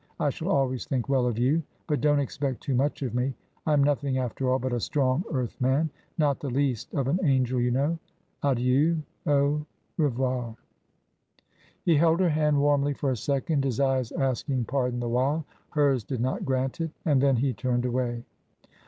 I shall always think well of you. But don't expect too much of me. I am nothing after all but a strong earth man — not the least of an angel, you know. Adieu, Au revoir r He held her hand warmly for a second, his eyes asking pardon the while; hers did not grant it; and then he turned away.